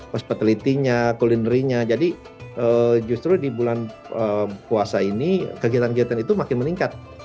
hospitality nya culinary nya jadi justru di bulan puasa ini kegiatan kegiatan itu makin meningkat